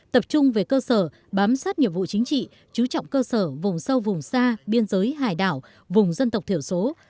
tập trung về cơ sở bám sát nhiệm vụ chính trị chú trọng cơ sở vùng sâu vùng xa biên giới hải đảo vùng dân tộc thiểu số